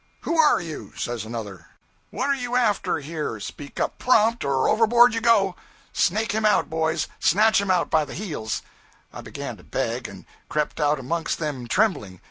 'Who are you?' says another. 'What are you after here? Speak up prompt, or overboard you go. 'Snake him out, boys. Snatch him out by the heels.' I began to beg, and crept out amongst them trembling.